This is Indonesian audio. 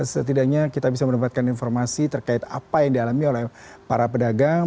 setidaknya kita bisa mendapatkan informasi terkait apa yang dialami oleh para pedagang